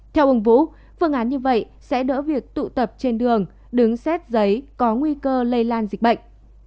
theo ông vũ phương án như vậy sẽ đỡ việc tụ tập trên đường đứng xét giấy có nguy cơ lây lan dịch bệnh